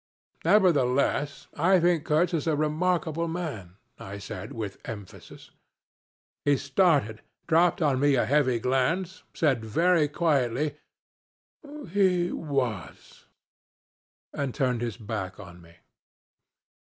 'Nevertheless I think Mr. Kurtz is a remarkable man,' I said with emphasis. He started, dropped on me a cold heavy glance, said very quietly, 'He was,' and turned his back on me.